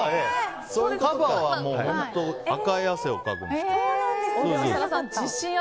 カバは赤い汗をかくんですよ。